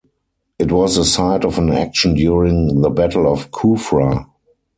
It was the site of an action during the Battle of Kufra.